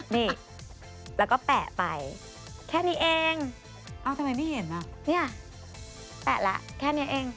นี่แล้วก็แปะไปแค่นี้เองเอ้าทำไมไม่เห็นอ่ะเนี่ยแปะละแค่นี้เอง